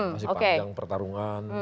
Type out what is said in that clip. masih panjang pertarungan